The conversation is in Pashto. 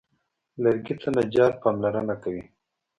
لرګي ته نجار پاملرنه کوي.